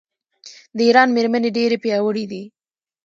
د ایران میرمنې ډیرې پیاوړې دي.